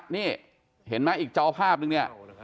นี่เห็นไหมอีกจอภาพนึงเนี่ย